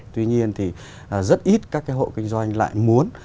tuy nhiên thì rất ít các cái hộ kinh doanh lại muốn